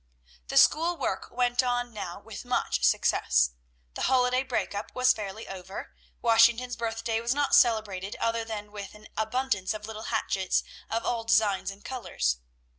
The school work went on now with much success. The holiday break up was fairly over. Washington's Birthday was not celebrated other than with an abundance of little hatchets of all designs and colors.